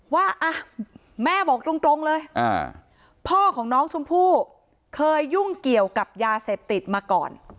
ว่าแม่บอกตรงเลยพ่อของน้องชมพู่เคยยุ่งเกี่ยวกับยาเสพติดมาก่อน